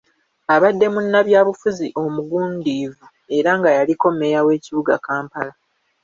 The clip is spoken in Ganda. Abadde munnabyabufuzi omugundiivu era nga yaliko mmeeya w'ekibuga Kampala.